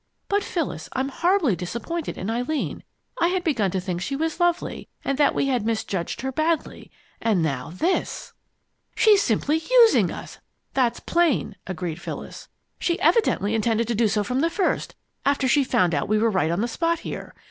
But, Phyllis, I'm horribly disappointed in Eileen! I had begun to think she was lovely, and that we had misjudged her badly. And now this!" "She's simply using us that's plain," agreed Phyllis. "She evidently intended to do so from the first, after she found out we were right on the spot here.